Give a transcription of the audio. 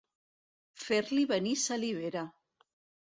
Fer-li venir salivera.